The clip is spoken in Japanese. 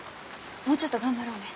もうちょっと頑張ろうね。